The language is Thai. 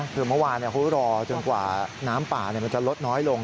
คือเมื่อวานเขารอจนกว่าน้ำป่ามันจะลดน้อยลง